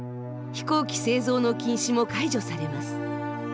飛行機製造の禁止も解除されます。